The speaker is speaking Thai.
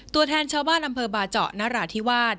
ตัวแทนชาวบ้านอำเภอบาเจาะนราธิวาส